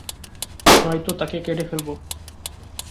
নয়তো তাকে কেটে ফেলবো।